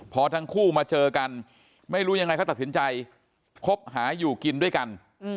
พอทั้งคู่มาเจอกันไม่รู้ยังไงเขาตัดสินใจคบหาอยู่กินด้วยกัน